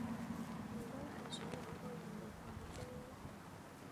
佢都係想搵個人嚟怪啫